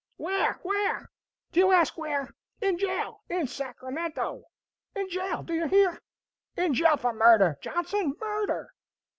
Where! Where! Do you ask where? In jail in Sacramento, in jail, do you hear? in jail for murder, Johnson, murder!"